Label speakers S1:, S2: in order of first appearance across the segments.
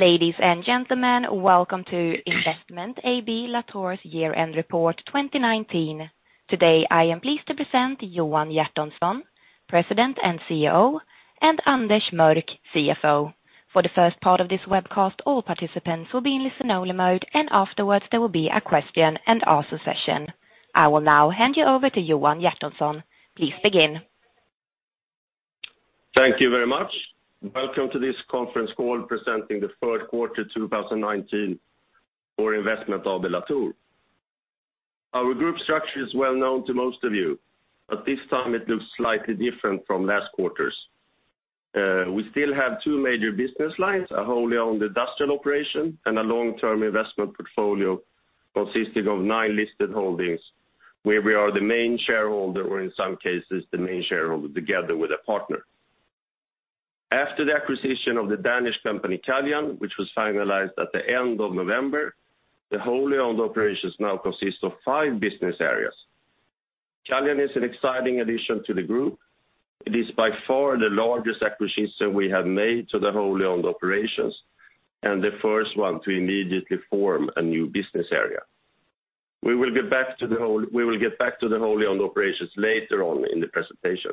S1: Ladies and gentlemen, welcome to Investment AB Latour's year-end report 2019. Today, I am pleased to present Johan Hjertonsson, President and CEO, and Anders Mörck, CFO. For the first part of this webcast, all participants will be in listen-only mode, and afterwards there will be a question and answer session. I will now hand you over to Johan Hjertonsson. Please begin.
S2: Thank you very much. Welcome to this conference call presenting the Q3 2019 for Investment AB Latour. Our group structure is well known to most of you. This time it looks slightly different from last quarter's. We still have two major business lines, a wholly owned industrial operation, and a long-term investment portfolio consisting of nine listed holdings, where we are the main shareholder, or in some cases, the main shareholder together with a partner. After the acquisition of the Danish company, Caljan, which was finalized at the end of November, the wholly owned operations now consist of five business areas. Caljan is an exciting addition to the group. It is by far the largest acquisition we have made to the wholly owned operations. The first one to immediately form a new business area. We will get back to the wholly owned operations later on in the presentation.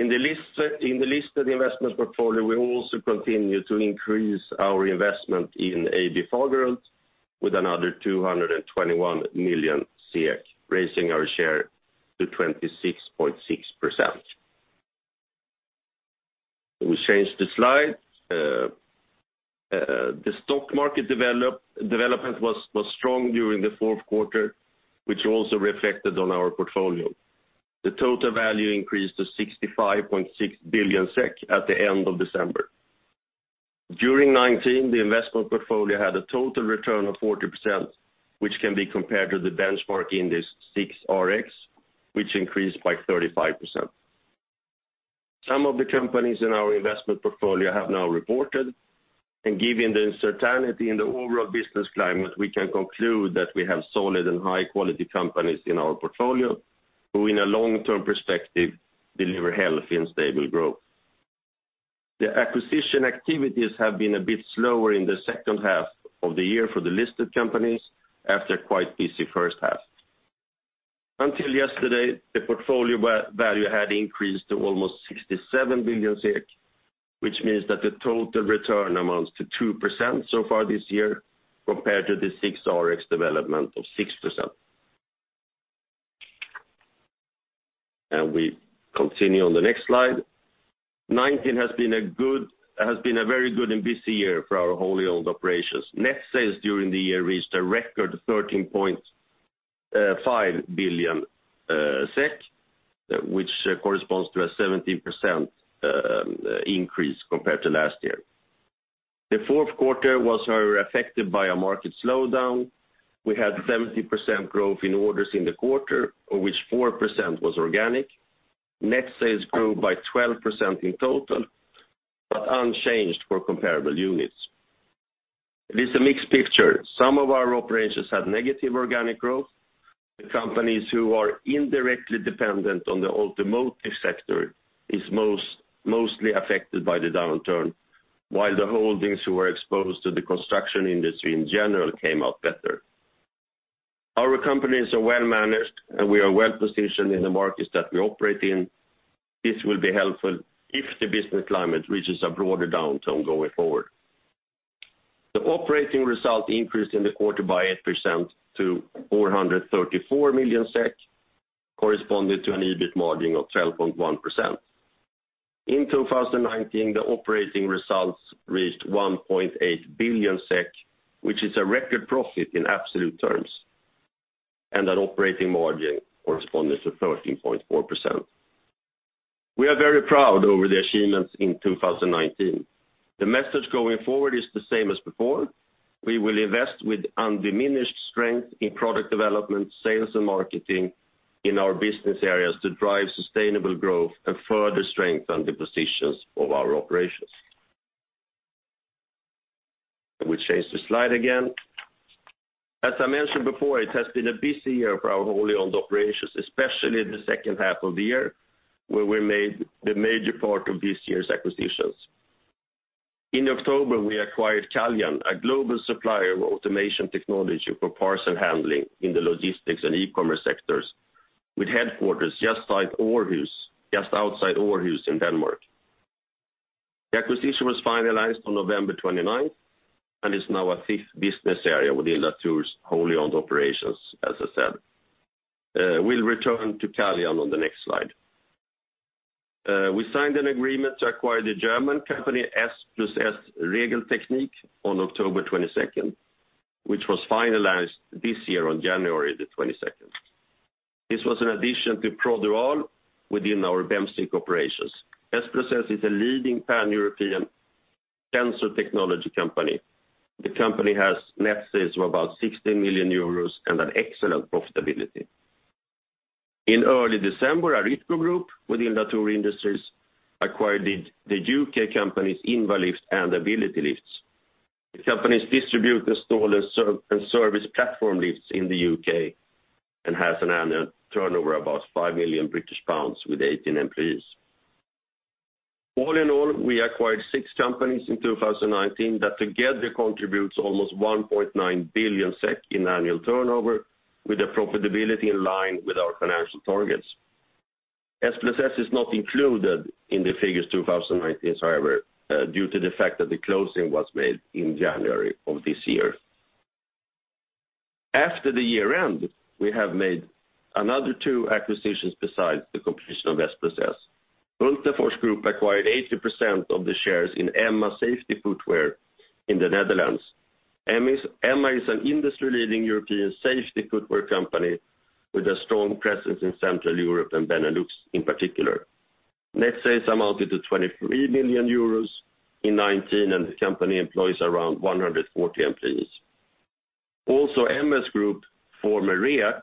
S2: In the listed investment portfolio, we will also continue to increase our investment in AB Fagerhult, with another 221 million, raising our share to 26.6%. Can we change the slide? The stock market development was strong during the Q4, which also reflected on our portfolio. The total value increased to 65.6 billion SEK at the end of December. During 2019, the investment portfolio had a total return of 40%, which can be compared to the benchmark index SIXRX, which increased by 35%. Some of the companies in our investment portfolio have now reported, and given the uncertainty in the overall business climate, we can conclude that we have solid and high-quality companies in our portfolio, who in a long-term perspective, deliver healthy and stable growth. The acquisition activities have been a bit slower in the H1 of the year for the listed companies after a quite busy H1. Until yesterday, the portfolio value had increased to almost 67 billion SEK, which means that the total return amounts to 2% so far this year, compared to the SIXRX development of 6%. We continue on the next slide. 2019 has been a very good and busy year for our wholly owned operations. Net sales during the year reached a record 13.5 billion SEK, which corresponds to a 17% increase compared to last year. The Q4 was, however, affected by a market slowdown. We had 17% growth in orders in the quarter, of which 4% was organic. Net sales grew by 12% in total, but unchanged for comparable units. It is a mixed picture. Some of our operations had negative organic growth. The companies who are indirectly dependent on the automotive sector is mostly affected by the downturn, while the holdings who were exposed to the construction industry in general came out better. Our companies are well-managed, and we are well-positioned in the markets that we operate in. This will be helpful if the business climate reaches a broader downturn going forward. The operating result increased in the quarter by 8% to 434 million SEK, corresponding to an EBIT margin of 12.1%. In 2019, the operating results reached 1.8 billion SEK, which is a record profit in absolute terms, and an operating margin corresponding to 13.4%. We are very proud over the achievements in 2019. The message going forward is the same as before. We will invest with undiminished strength in product development, sales and marketing in our business areas to drive sustainable growth and further strengthen the positions of our operations. Can we change the slide again? As I mentioned before, it has been a busy year for our wholly owned operations, especially in the second half of the year, where we made the major part of this year's acquisitions. In October, we acquired Caljan, a global supplier of automation technology for parcel handling in the logistics and e-commerce sectors with headquarters just outside Aarhus in Denmark. The acquisition was finalized on November 29th and is now our fifth business area within Latour's wholly owned operations, as I said. We'll return to Caljan on the next slide. We signed an agreement to acquire the German company S+S Regeltechnik on October 22nd, which was finalized this year on January the 22nd. This was an addition to Produal within our Bemsiq operations. S+S is a leading Pan-European sensor technology company. The company has net sales of about 60 million euros and an excellent profitability. In early December, Aritco Group within Latour Industries acquired the U.K. companies Invalifts and Ability Lifts. The company distribute, install, and service platform lifts in the U.K., and has an annual turnover of about 5 million British pounds with 18 employees. All in all, we acquired six companies in 2019 that together contributes almost 1.9 billion SEK in annual turnover, with the profitability in line with our financial targets. S+S is not included in the figures 2019, however, due to the fact that the closing was made in January of this year. After the year end, we have made another two acquisitions besides the completion of S+S. Hultafors Group acquired 80% of the shares in EMMA Safety Footwear in the Netherlands. EMMA Safety Footwear is an industry-leading European safety footwear company with a strong presence in Central Europe and Benelux in particular. Net sales amounted to 23 million euros in 2019, and the company employs around 140 employees. Also, MS Group AB, former REAC,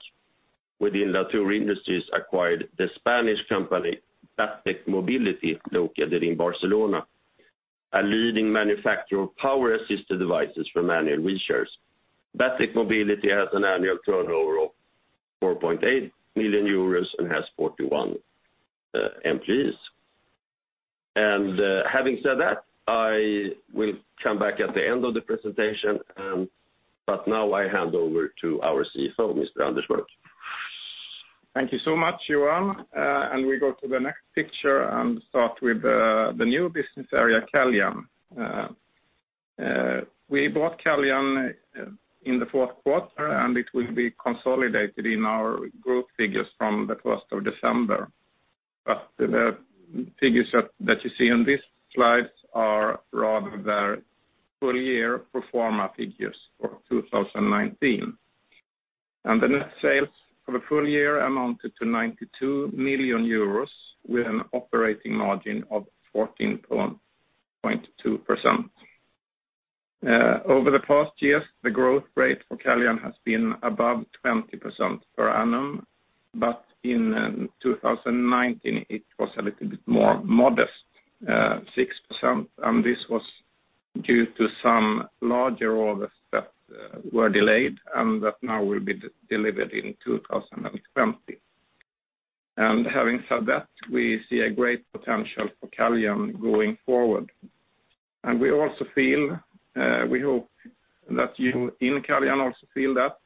S2: within Latour Industries acquired the Spanish company Batec Mobility, located in Barcelona, a leading manufacturer of power assisted devices for manual wheelchairs. Batec Mobility has an annual turnover of 4.8 million euros and has 41 employees. Having said that, I will come back at the end of the presentation, but now I hand over to our CFO, Mr. Anders Mörck.
S3: Thank you so much, Johan. We go to the next picture and start with the new business area, Caljan. We bought Caljan in the Q4, and it will be consolidated in our group figures from the 1st of December. The figures that you see on these slides are rather their full year pro forma figures for 2019. The net sales for the full year amounted to 92 million euros, with an operating margin of 14.2%. Over the past years, the growth rate for Caljan has been above 20% per annum, but in 2019, it was a little bit more modest, 6%, and this was due to some larger orders that were delayed and that now will be delivered in 2020. Having said that, we see a great potential for Caljan going forward. We also feel, we hope that you in Caljan also feel that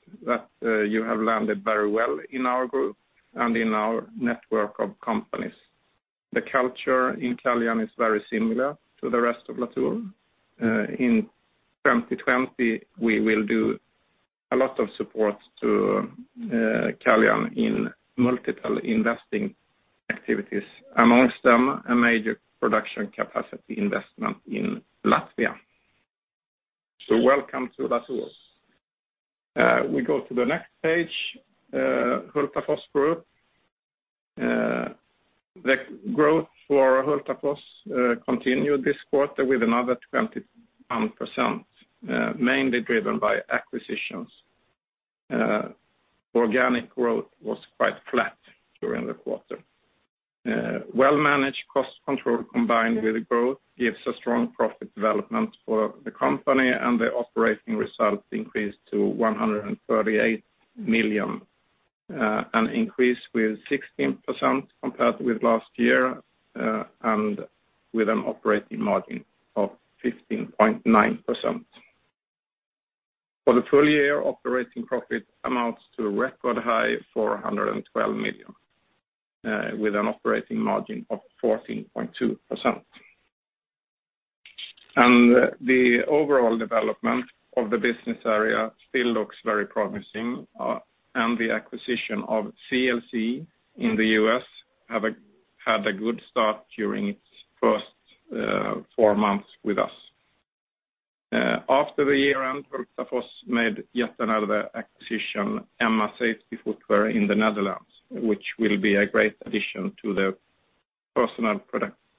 S3: you have landed very well in our group and in our network of companies. The culture in Caljan is very similar to the rest of Latour. In 2020, we will do a lot of support to Caljan in multiple investing activities, amongst them, a major production capacity investment in Latvia. Welcome to Latour. We go to the next page, Hultafors Group. The growth for Hultafors continued this quarter with another 21%, mainly driven by acquisitions. Organic growth was quite flat during the quarter. Well-managed cost control combined with growth gives a strong profit development for the company, and the operating results increased to 138 million, an increase with 16% compared with last year, and with an operating margin of 15.9%. For the full year, operating profit amounts to a record high 412 million, with an operating margin of 14.2%. The overall development of the business area still looks very promising, and the acquisition of CLC in the U.S. had a good start during its first four months with us. After the year end, Hultafors made yet another acquisition, EMMA Safety Footwear in the Netherlands, which will be a great addition to the personal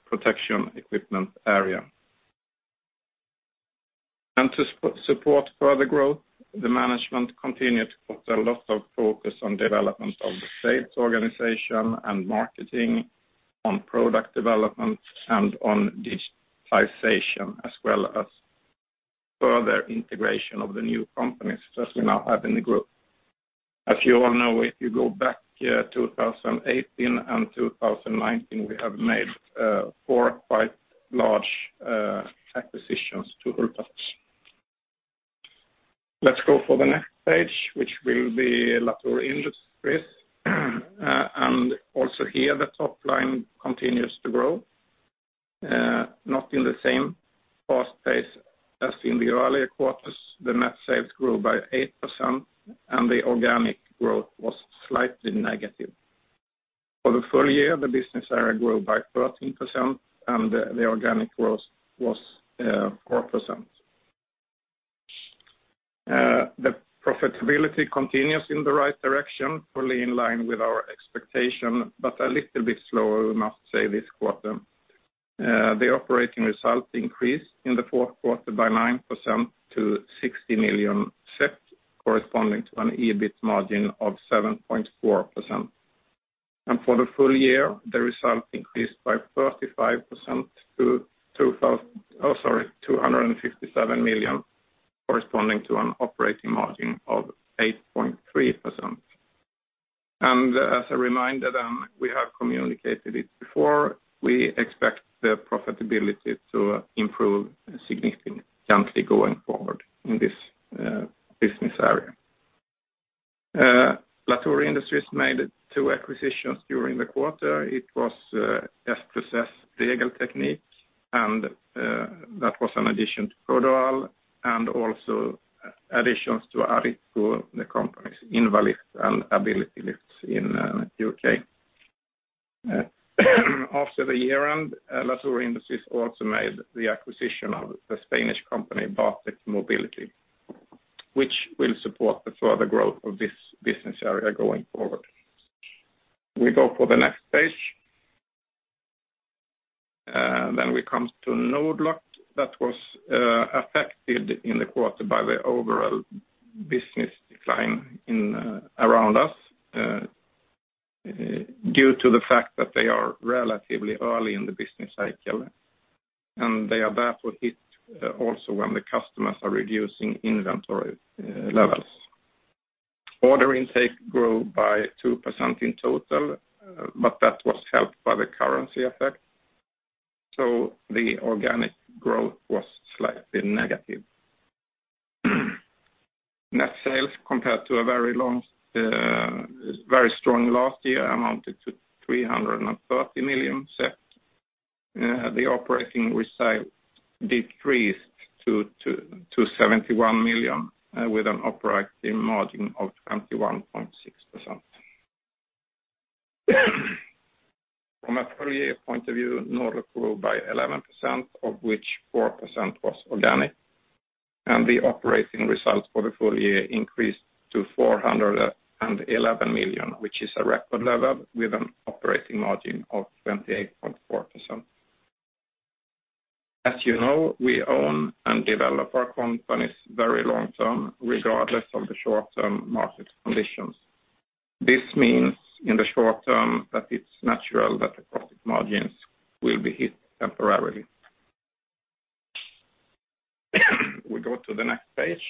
S3: protection equipment area. To support further growth, the management continued to put a lot of focus on development of the sales organization and marketing, on product development and on digitization, as well as further integration of the new companies that we now have in the group. As you all know, if you go back 2018 and 2019, we have made four quite large acquisitions to Hultafors. Let's go for the next page, which will be Latour Industries. Also here, the top line continues to grow, not in the same fast pace as in the earlier quarters. The net sales grew by 8%. The organic growth was slightly negative. For the full year, the business area grew by 13%. The organic growth was 4%. The profitability continues in the right direction, fully in line with our expectation, a little bit slower, we must say, this quarter. The operating results increased in the Q4 by 9% to 60 million, corresponding to an EBIT margin of 7.4%. For the full year, the result increased by 35% to 257 million, corresponding to an operating margin of 8.3%. As a reminder, we have communicated it before, we expect the profitability to improve significantly going forward in this business area. Latour Industries made two acquisitions during the quarter. It was S+S Regeltechnik, and that was an addition to Produal, and also additions to Aritco, the company's Invalifts and Ability Lifts in the U.K. After the year-end, Latour Industries also made the acquisition of the Spanish company, Batec Mobility, which will support the further growth of this business area going forward. We go for the next page. We come to Nord-Lock that was affected in the quarter by the overall business decline around us due to the fact that they are relatively early in the business cycle, and they are therefore hit also when the customers are reducing inventory levels. Order intake grew by 2% in total, but that was helped by the currency effect. The organic growth was slightly negative. Net sales compared to a very strong last year amounted to 330 million. The operating result decreased to 71 million with an operating margin of 21.6%. From a full year point of view, Nord-Lock grew by 11%, of which 4% was organic, and the operating results for the full year increased to 411 million, which is a record level with an operating margin of 28.4%. As you know, we own and develop our companies very long-term, regardless of the short-term market conditions. This means in the short term that it's natural that the profit margins will be hit temporarily. We go to the next page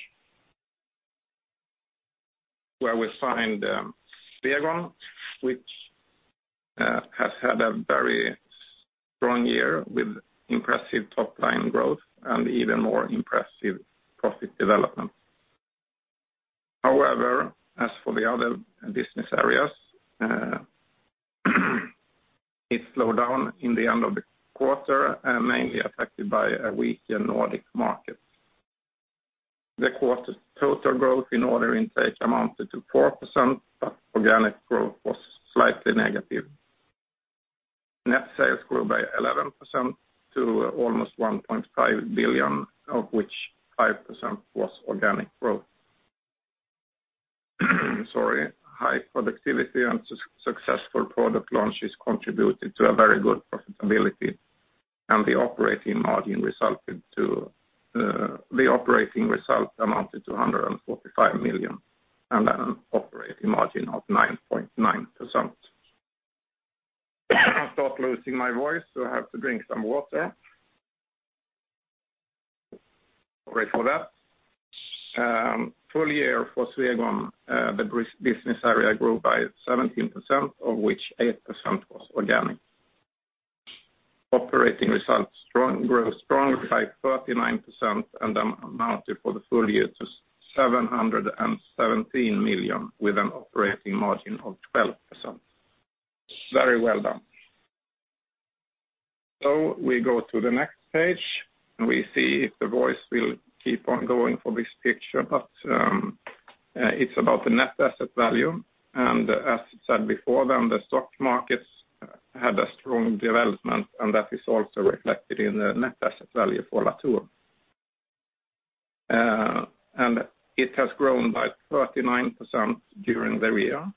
S3: where we find Swegon, which has had a very strong year with impressive top-line growth and even more impressive profit development. However, as for the other business areas, it slowed down in the end of the quarter, mainly affected by a weaker Nordic market. The quarter's total growth in order intake amounted to 4%. Organic growth was slightly negative. Net sales grew by 11% to almost 1.5 billion, of which 5% was organic growth. Sorry. High productivity and successful product launches contributed to a very good profitability, and the operating result amounted to 145 million and an operating margin of 9.9%. I start losing my voice, so I have to drink some water. Sorry for that. Full year for Swegon, the business area grew by 17%, of which 8% was organic. Operating results grew strongly by 39% and amounted for the full year to 717 million with an operating margin of 12%. Very well done. We go to the next page, and we see if the voice will keep on going for this picture, but it's about the net asset value. As said before, the stock markets had a strong development, and that is also reflected in the net asset value for Latour. It has grown by 39% during the year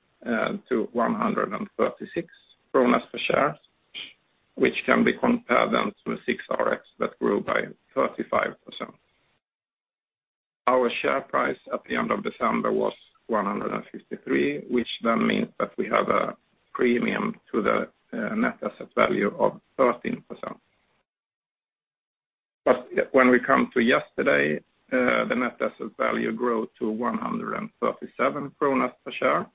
S3: to 136 kronor per share, which can be compared to SIXRX that grew by 35%. Our share price at the end of December was 153, which means that we have a premium to the net asset value of 13%. When we come to yesterday, the net asset value grew to 137 kronor per share,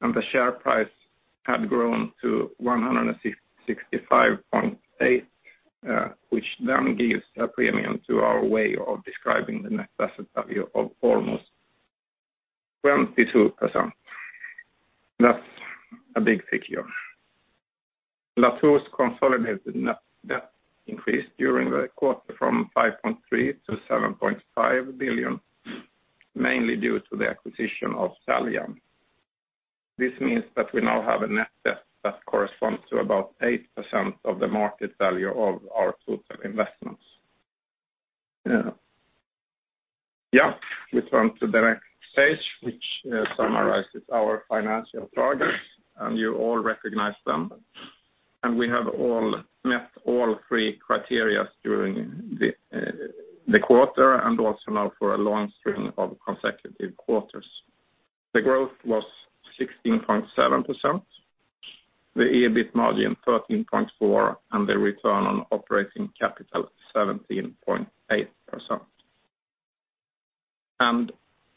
S3: and the share price had grown to 165.8, which gives a premium to our way of describing the net asset value of almost 22%. That's a big figure. Latour's consolidated net debt increased during the quarter from 5.3 billion-7.5 billion, mainly due to the acquisition of Caljan. This means that we now have a net debt that corresponds to about 8% of the market value of our total investments. We turn to the next page, which summarizes our financial targets. You all recognize them. We have met all three criteria during the quarter and also now for a long string of consecutive quarters. The growth was 16.7%, the EBIT margin 13.4%, and the return on operating capital 17.8%.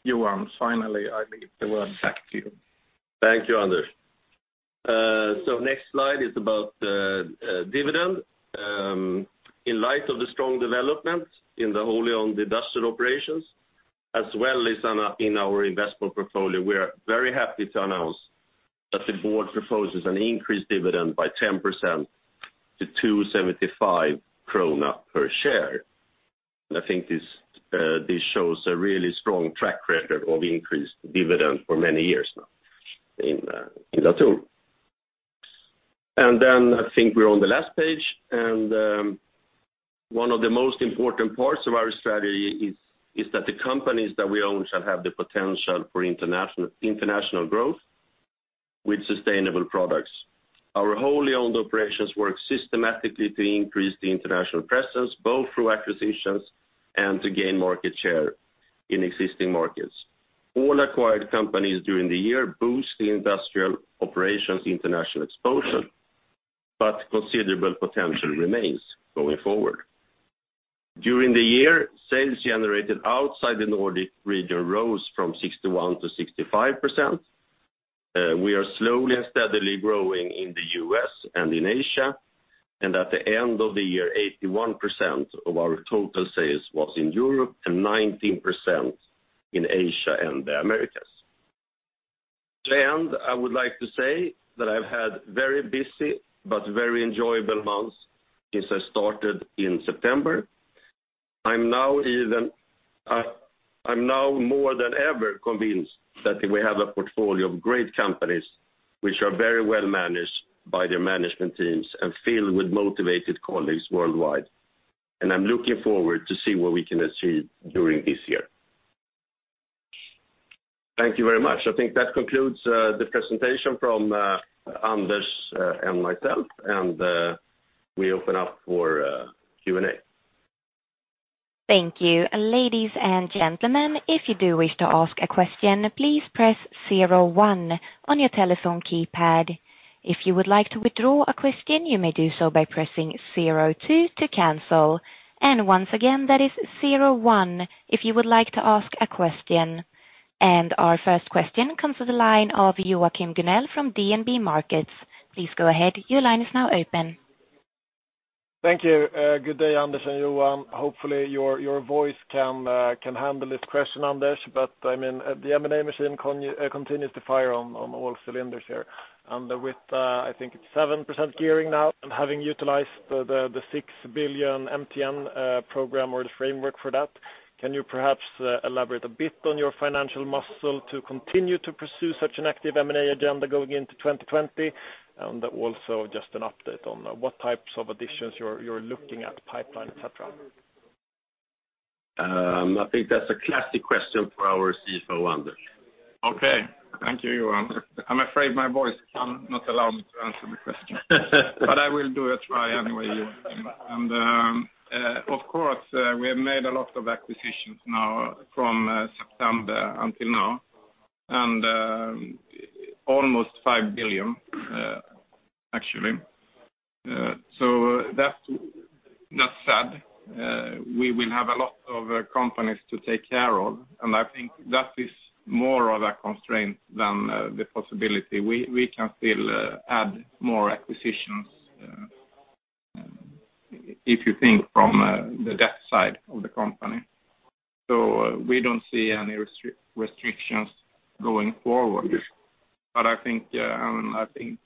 S3: Johan, finally, I give the word back to you.
S2: Thank you, Anders. Next slide is about the dividend. In light of the strong development in the wholly-owned industrial operations as well as in our investment portfolio, we are very happy to announce that the board proposes an increased dividend by 10% to 275 krona per share. I think this shows a really strong track record of increased dividend for many years now in Latour. Then I think we're on the last page, one of the most important parts of our strategy is that the companies that we own shall have the potential for international growth with sustainable products. Our wholly owned operations work systematically to increase the international presence, both through acquisitions and to gain market share in existing markets. All acquired companies during the year boost the industrial operations international exposure, but considerable potential remains going forward. During the year, sales generated outside the Nordic region rose from 61%-65%. We are slowly and steadily growing in the U.S. and in Asia. At the end of the year, 81% of our total sales was in Europe and 19% in Asia and the Americas. To end, I would like to say that I've had very busy but very enjoyable months since I started in September. I'm now more than ever convinced that we have a portfolio of great companies, which are very well managed by their management teams and filled with motivated colleagues worldwide. I'm looking forward to see what we can achieve during this year. Thank you very much. I think that concludes the presentation from Anders Mörck and myself, and we open up for Q&A.
S1: Thank you. Ladies and gentlemen, if you do wish to ask a question, please press zero one on your telephone keypad. If you would like to withdraw a question, you may do so by pressing zero two to cancel. Once again, that is zero one if you would like to ask a question. Our first question comes to the line of Joachim Gunell from DNB Markets. Please go ahead, your line is now open.
S4: Thank you. Good day, Anders and Johan. Hopefully, your voice can handle this question, Anders. The M&A machine continues to fire on all cylinders here. With, I think it's 7% gearing now and having utilized the 6 billion MTN program or the framework for that, can you perhaps elaborate a bit on your financial muscle to continue to pursue such an active M&A agenda going into 2020? Also just an update on what types of additions you're looking at, pipeline, et cetera.
S2: I think that's a classic question for our CFO, Anders.
S3: Okay. Thank you, Johan. I'm afraid my voice cannot allow me to answer the question. I will do a try anyway, Joachim. Of course, we have made a lot of acquisitions now from September until now, almost SEK 5 billion, actually. That said, we will have a lot of companies to take care of, and I think that is more of a constraint than the possibility. We can still add more acquisitions if you think from the debt side of the company. We don't see any restrictions going forward. I think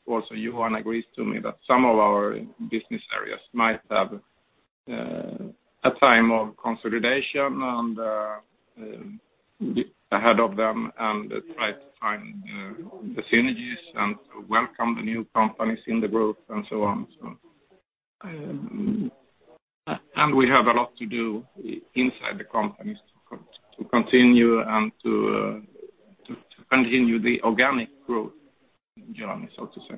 S3: also Johan agrees to me that some of our business areas might have a time of consolidation and ahead of them and try to find the synergies and to welcome the new companies in the group and so on. We have a lot to do inside the companies to continue the organic growth journey, so to say.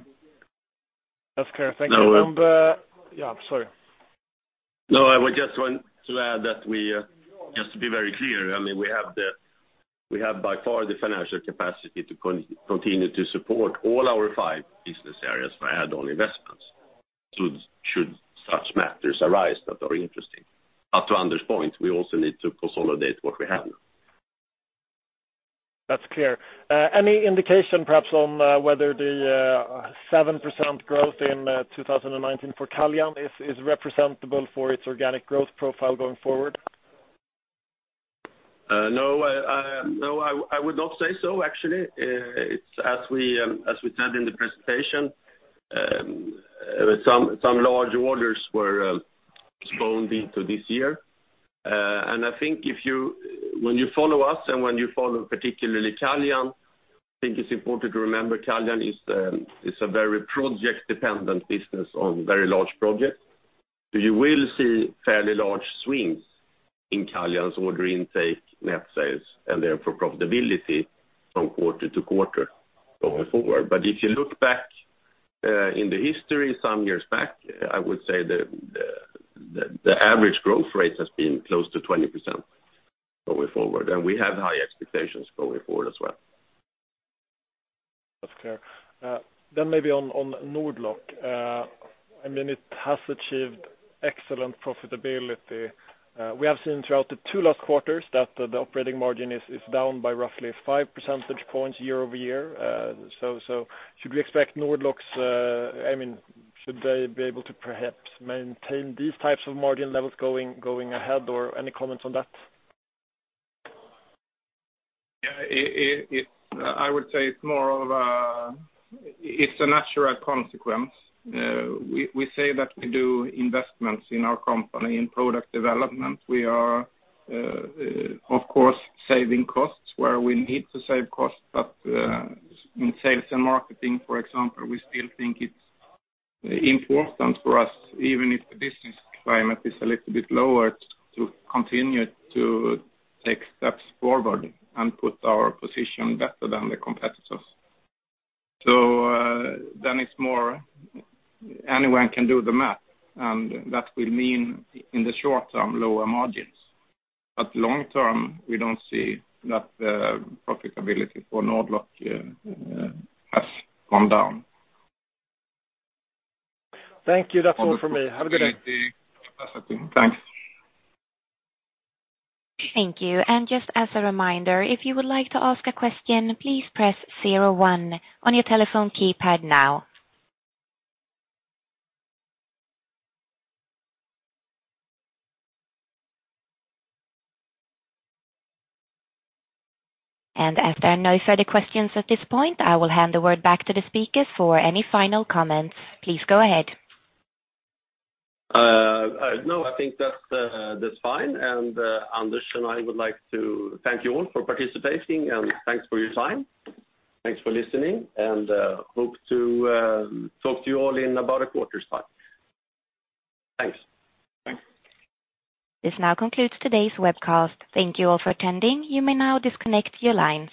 S4: That's clear. Thank you.
S2: No.
S4: Yeah, sorry.
S2: I just want to add that just to be very clear, we have by far the financial capacity to continue to support all our five business areas for add-on investments should such matters arise that are interesting. To Anders' point, we also need to consolidate what we have.
S4: That's clear. Any indication perhaps on whether the 7% growth in 2019 for Caljan is representable for its organic growth profile going forward?
S2: No, I would not say so, actually. As we said in the presentation, some large orders were postponed into this year. I think when you follow us and when you follow particularly Caljan, I think it's important to remember Caljan it's a very project-dependent business on very large projects.
S3: You will see fairly large swings in Caljan's order intake, net sales, and therefore profitability from quarter to quarter going forward. If you look back in the history some years back, I would say that the average growth rate has been close to 20% going forward, and we have high expectations going forward as well.
S4: That's clear. Maybe on Nord-Lock. It has achieved excellent profitability. We have seen throughout the two last quarters that the operating margin is down by roughly five percentage points year-over-year. Should we expect should they be able to perhaps maintain these types of margin levels going ahead or any comments on that?
S3: I would say it's a natural consequence. We say that we do investments in our company, in product development. We are, of course, saving costs where we need to save costs. In sales and marketing, for example, we still think it's important for us, even if the business climate is a little bit lower, to continue to take steps forward and put our position better than the competitors. It's more anyone can do the math, and that will mean in the short term, lower margins. Long term, we don't see that profitability for Nord-Lock has gone down.
S4: Thank you. That's all for me. Have a good day.
S3: Thanks.
S1: Thank you. Just as a reminder, if you would like to ask a question, please press zero one on your telephone keypad now. As there are no further questions at this point, I will hand the word back to the speakers for any final comments. Please go ahead.
S2: No, I think that's fine. Anders and I would like to thank you all for participating and thanks for your time. Thanks for listening, and hope to talk to you all in about a quarter's time. Thanks.
S3: Thanks.
S1: This now concludes today's webcast. Thank you all for attending. You may now disconnect your lines.